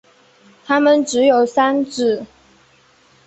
它们只有三趾。